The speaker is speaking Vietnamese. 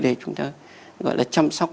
để chúng ta gọi là chăm sóc